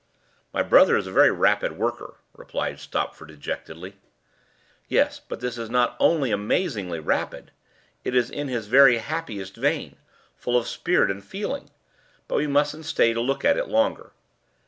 "My brother is a very rapid worker," replied Stopford dejectedly. "Yes, but this is not only amazingly rapid; it is in his very happiest vein full of spirit and feeling. But we mustn't stay to look at it longer."